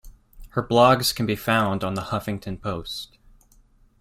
Her blogs can be found on "The Huffington Post".